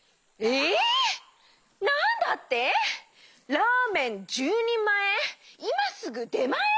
ラーメン１０にんまえいますぐでまえ！？